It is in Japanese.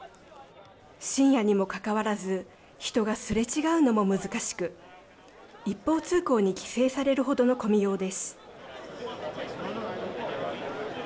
深夜にもかかわらず人がすれ違うのも難しく一方通行に規制される程の混みようです。